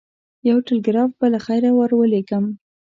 یو ټلګراف به له خیره ورلېږم.